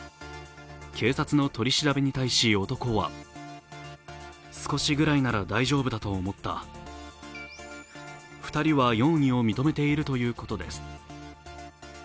警察の取り調べに対し、男は２人は容疑を認めているということです。